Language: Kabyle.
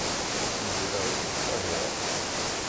Nezdeɣ deg Lqahira.